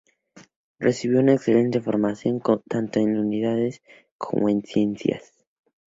Recibió una excelente formación, tanto en humanidades como en ciencias.